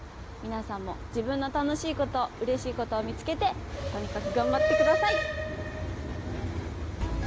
みなさんも自分の楽しいことうれしいことを見つけてとにかくがんばってください！